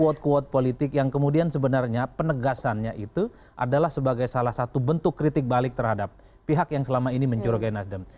quote quote politik yang kemudian sebenarnya penegasannya itu adalah sebagai salah satu bentuk kritik balik terhadap pihak yang selama ini mencurigai nasdem